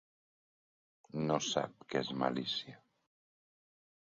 No sap què és malícia.